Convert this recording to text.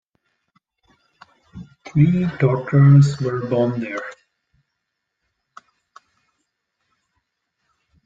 Three daughters were born there.